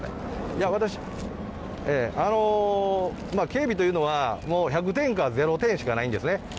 警備というのは、１００点か、０点しかないんですね。